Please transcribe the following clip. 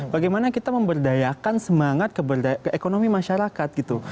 bagaimana kita memberdayakan semangat ke ekonomi masyarakat gitu